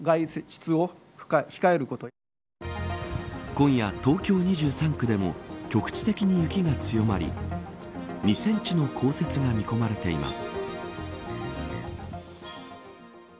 今夜、東京２３区でも局地的に雪が強まり２センチの降雪が見込まれています。